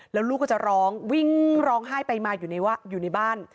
แล้วลูกก็จะร้องวิ่งร้องไห้ไปมาอยู่ในบ้าน